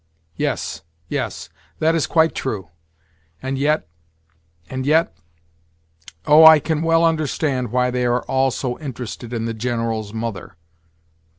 Yes, yes; that is quite true. And yet, and yet—Oh, I can well understand why they are all so interested in the General's mother!"